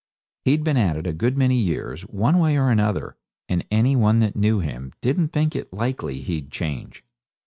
He'd been at it a good many years, one way and another, and any one that knew him didn't think it likely he'd change.